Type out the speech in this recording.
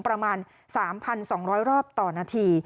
ประมาณ๓๒๐๐รอบต่อนาที